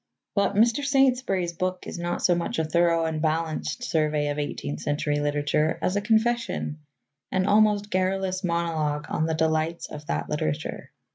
But Mr. Saintsbury's book is not so much a thorough and balanced survey of eighteenth century literature as a confession, an almost garrulous monologue on the delights of that literature.